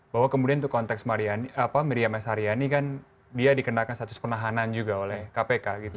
bahwa kemudian untuk konteks miriam s haryani kan dia dikenakan status penahanan juga oleh kpk gitu